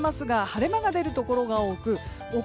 晴れ間が出るところが多く奥